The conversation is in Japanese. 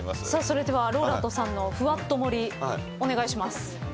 それではＲＯＬＡＮＤさんのふわっと盛りお願いします。